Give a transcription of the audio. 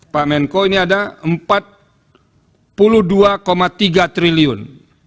pak menko ini ada empat puluh dua tiga triliun